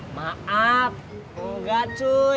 maaf engga cuy